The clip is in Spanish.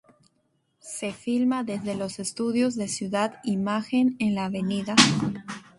Se filma desde los estudios de "Ciudad Imagen" en la Av.